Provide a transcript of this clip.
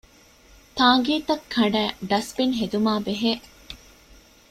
ތާނގީތައް ކަނޑައި ޑަސްބިން ހެދުމާބެހޭ